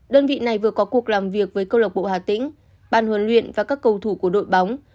đơn vị này vừa có cuộc làm việc với câu lạc bộ hà tĩnh ban huấn luyện và các cầu thủ của đội bóng